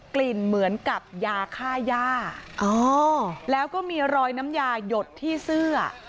กลิ่นเหมือนกับยาค่าย่าแล้วก็มีรอยน้ำยาหยดที่เสื้อ